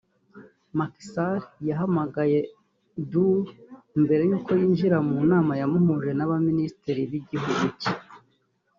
Macky Sall yahamagaye N’Dour mbere y’uko yinjira mu nama yamuhuje n’aba Minisitiri b’igihugu cye